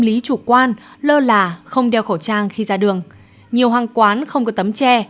lý chủ quan lơ là không đeo khẩu trang khi ra đường nhiều hàng quán không có tấm tre